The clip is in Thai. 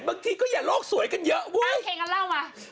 บางทีก็อย่าโลกสวยกันเยอะเว้ยโอเคงั้นเล่ามา